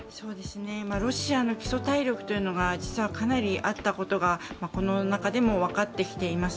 ロシアの基礎体力が実はかなりあったことがこの中でも分かってきています。